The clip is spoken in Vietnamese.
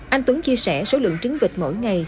anh tuấn chia sẻ số lượng trứng vịt mỗi ngày